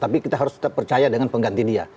tapi kita harus tetap percaya dengan pengganti dia